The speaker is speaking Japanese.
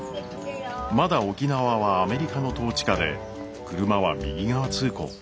まだ沖縄はアメリカの統治下で車は右側通行